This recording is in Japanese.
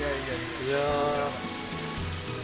いや。